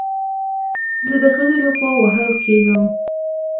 زه د ښځې له خوا وهل کېږم